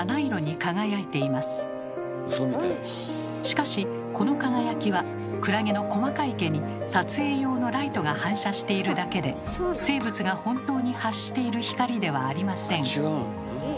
しかしこの輝きはクラゲの細かい毛に撮影用のライトが反射しているだけで生物が本当に発している光ではありません。